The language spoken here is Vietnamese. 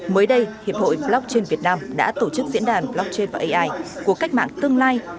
mới đây hiệp hội blockchain việt nam đã tổ chức diễn đàn blockchain và ai của cách mạng tương lai